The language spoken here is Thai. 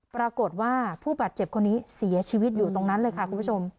ปรากฏว่าผู้บาดเจ็บคนนี้เสียชีวิตอยู่ตรงนั้นเลยค่ะคุณผู้ชม